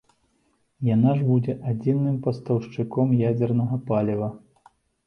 Яна ж будзе адзіным пастаўшчыком ядзернага паліва.